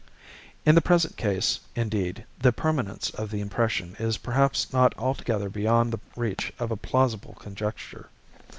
In the present case, indeed, the permanence of the impression is perhaps not altogether beyond the reach of a plausible conjecture.